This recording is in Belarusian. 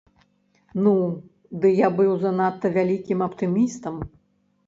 Ну, ды я быў занадта вялікім аптымістам.